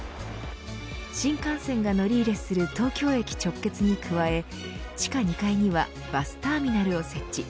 新幹線が乗り入れする東京駅直結に加え地下２階にはバスターミナルを設置。